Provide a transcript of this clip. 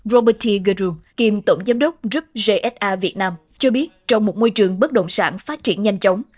robert t gerduro kiêm tổng giám đốc rubgsa việt nam cho biết trong một môi trường bất động sản phát triển nhanh chóng